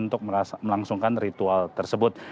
untuk melangsungkan ritual tersebut